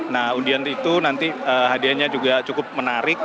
nah undian itu nanti hadiahnya juga cukup menarik